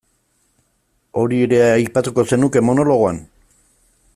Hori ere aipatuko zenuke monologoan?